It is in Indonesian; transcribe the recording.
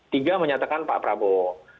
tiga menyatakan pak prabowo